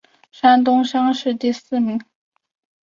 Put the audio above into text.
山东乡试第四名。